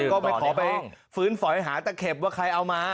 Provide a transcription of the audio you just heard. ก็ไม่ขอไปฟื้นฝอยหาตะเข็บว่าใครเอามา